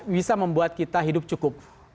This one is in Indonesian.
bisa membuat kita hidup cukup